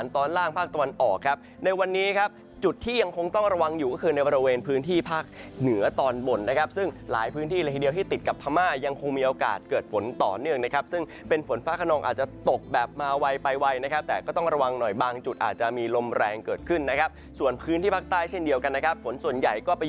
ทางภาคตะวันออกครับในวันนี้ครับจุดที่ยังคงต้องระวังอยู่คือในบริเวณพื้นที่ภาคเหนือตอนบนนะครับซึ่งหลายพื้นที่ละทีเดียวที่ติดกับพม่ายังคงมีโอกาสเกิดฝนต่อเนื่องนะครับซึ่งเป็นฝนฟ้าขนองอาจจะตกแบบมาไวไปไวนะครับแต่ก็ต้องระวังหน่อยบางจุดอาจจะมีลมแรงเกิดขึ้นนะครับส่วนพ